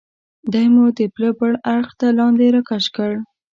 دی مو د پله بل اړخ ته لاندې را کش کړ.